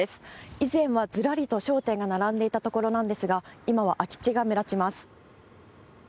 以前はずらりと商店が並んでいたところなんですが今は空き地が目立ちます。